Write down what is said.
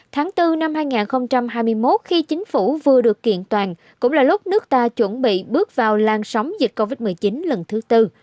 tháng bốn năm hai nghìn hai mươi một khi chính phủ vừa được kiện toàn cũng là lúc nước ta chuẩn bị bước vào lan sóng dịch covid một mươi chín lần thứ tư